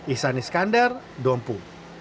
ihsan iskandar dompu